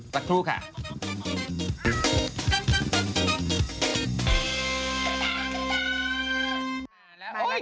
แม่เกียรติ